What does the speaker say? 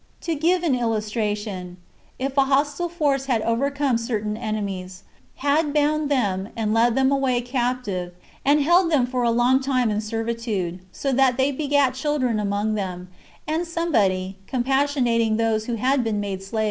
To give an illustration : If a hostile force had overcome certain [enemies], had bound them, and led them away captive, and held them for a long time in servitude, so that they begat children among them ; and somebody, compassionating those who had been made slaves, 1 Matt.